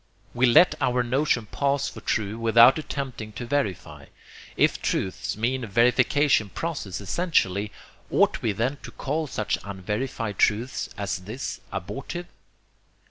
We let our notion pass for true without attempting to verify. If truths mean verification process essentially, ought we then to call such unverified truths as this abortive?